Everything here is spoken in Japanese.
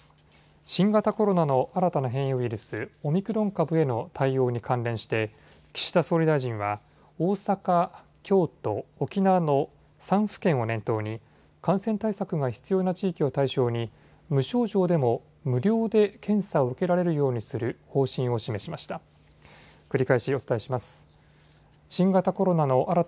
新型コロナの新たな変異ウイルス、オミクロン株への対応に関連して岸田総理大臣は大阪、京都、沖縄の３府県を念頭に感染対策が必要な地域を対象に無症状でも無料で検査を受けられるようにする方針を示しました。